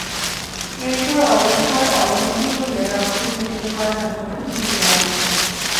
এরপর অবস্থার অবনতি হলে রংপুর মেডিকেল কলেজ হাসপাতালে নিয়ে যাওয়া যায়।